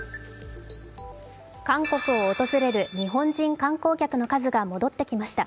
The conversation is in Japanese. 韓国を訪れる日本人観光客の数が戻ってきました。